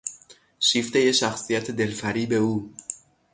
شیفتهی شخصیت دلفریب او